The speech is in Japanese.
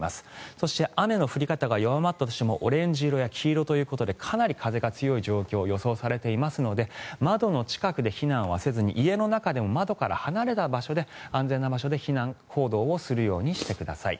そして雨の降り方が弱まったとしてもオレンジ色や黄色ということでかなり風が強い状況が予想されていますので窓の近くで避難はせずに家の中でも窓から離れた場所で安全な場所で避難行動をするようにしてください。